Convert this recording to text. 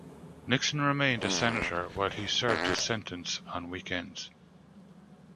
Nixon remained a senator while he served his sentence on weekends.